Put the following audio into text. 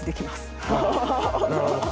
あなるほど。